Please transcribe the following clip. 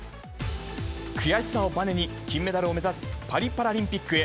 悔しさをばねに、金メダルを目指すパリパラリンピックへ。